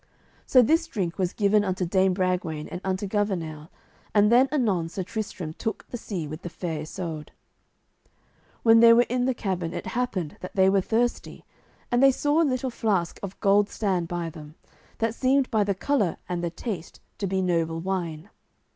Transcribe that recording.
So this drink was given unto Dame Bragwaine and unto Gouvernail, and then anon Sir Tristram took the sea with the Fair Isoud. When they were in the cabin, it happened that they were thirsty, and they saw a little flask of gold stand by them, that seemed by the colour and the taste to be noble wine.